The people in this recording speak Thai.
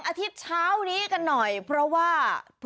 สวัสดีค่ะรุ่นก่อนเวลาเหนียวกับดาวสุภาษฎรามมาแล้วค่ะ